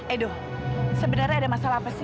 aduh sebenarnya ada masalah apa sih